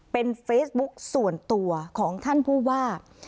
เป็นเฟซบุ๊กส่วนตัวของท่านผู้ว่า